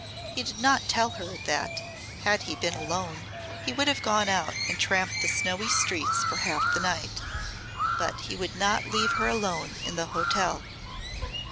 He did not tell her that had he been alone he would have gone out and tramped the snowy streets for half the night. But he would not leave her alone in the hotel.